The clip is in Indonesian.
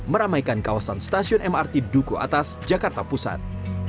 meramaikan kawasan stasiun mrt duku atas jakarta pusat